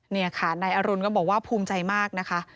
นี่ค่ะนายอรุณก็บอกว่าภูมิใจมากนะคะ